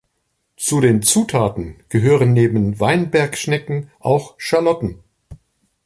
Zu den Zutaten gehören neben Weinbergschnecken auch Schalotten.